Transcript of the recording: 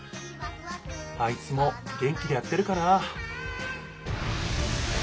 あいつも元気でやってるかな？